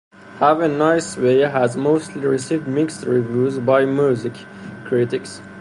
"Have a Nice Day" has mostly received mixed reviews by music critics.